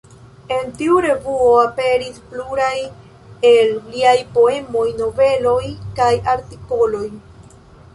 En tiu revuo aperis pluraj el liaj poemoj, noveloj kaj artikoloj.